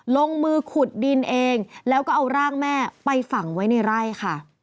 ลงมือขุดดินเองแล้วก็เอาร่างแม่ไปฝังไว้ในไร่ค่ะ